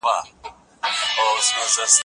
په قراني قصو کي د الله تعالی د حکمتونو بيان سته.